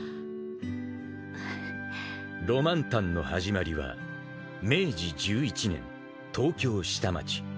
［浪漫譚の始まりは明治１１年東京下町］